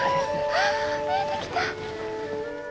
あ見えてきた！